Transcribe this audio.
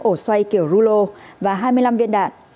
ổ xoay kiểu rulo và hai mươi năm viên đạn